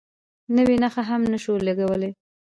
نوې نښه هم نه شو لګولی.